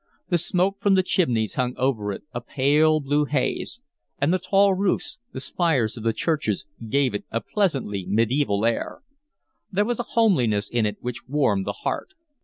The smoke from the chimneys hung over it, a pale blue haze; and the tall roofs, the spires of the churches, gave it a pleasantly medieval air. There was a homeliness in it which warmed the heart.